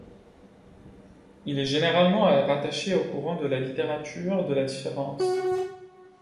Il est généralement rattaché au courant de la littérature de la Différence.